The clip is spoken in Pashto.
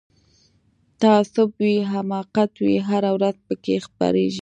تعصب وي حماقت وي هره ورځ پکښی خپریږي